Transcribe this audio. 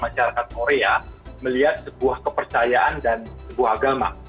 masyarakat korea melihat sebuah kepercayaan dan sebuah agama